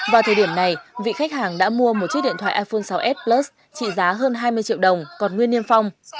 vào thời điểm này vị khách hàng đã mua một chiếc điện thoại iphone sáu s plus trị giá hơn hai mươi triệu đồng còn nguyên niêm phong